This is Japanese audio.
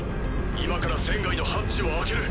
今から船外のハッチを開ける。